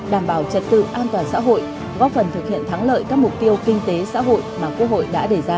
đảm bảo trật tự an toàn xã hội góp phần thực hiện thắng lợi các mục tiêu kinh tế xã hội mà quốc hội đã đề ra